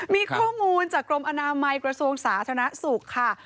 มีข้อมูลจากกรมอนามัยกระทรวงสาธารณสุขค่ะ